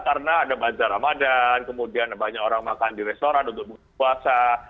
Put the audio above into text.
karena ada banjar ramadan kemudian banyak orang makan di restoran untuk puasa